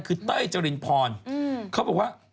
คือเต้ยจรินพรเขาบอกว่า